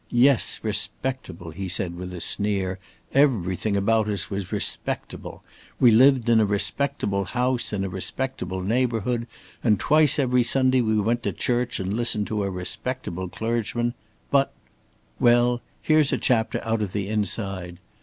Yes, respectable," he said, with a sneer. "Everything about us was respectable. We lived in a respectable house in a respectable neighborhood, and twice every Sunday we went to church and listened to a respectable clergyman. But! Well, here's a chapter out of the inside.